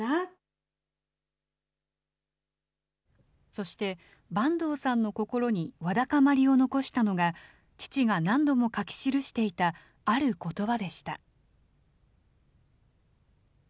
そして、坂東さんの心にわだかまりを残したのが、父が何度も書き記していたあることばでした。